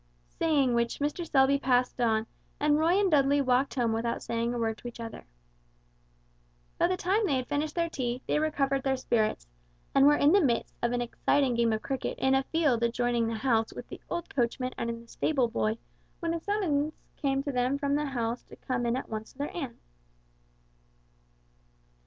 Saying which Mr. Selby passed on, and Roy and Dudley walked home without saying a word to each other. By the time they had finished their tea, they recovered their spirits, and were in the midst of an exciting game of cricket in a field adjoining the house with the old coachman and the stable boy, when a summons came to them from the house to come in at once to their aunt.